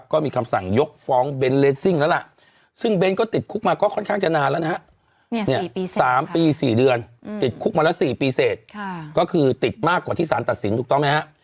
ก็คือติดมากกว่าที่สารตัดสินถูกต้องไหมฮะ